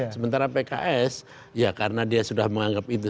sementara pks ya karena dia sudah menganggap itu